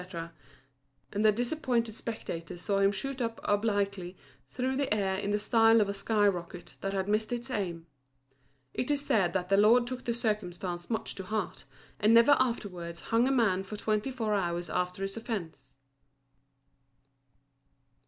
and the disappointed spectators saw him shoot up obliquely through the air in the style of a sky rocket that had missed its aim. It is said that the lord took the circumstance much to heart, and never afterwards hung a man for twenty four hours after his offence.